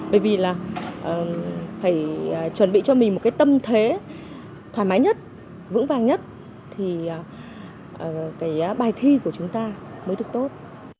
bởi vì là phải chuẩn bị cho mình một cái tâm thế thoải mái nhất vững vàng nhất thì cái bài thi của chúng ta mới được tốt